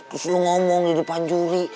terus lo ngomong di depan juri